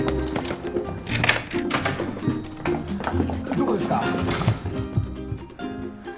どこですか？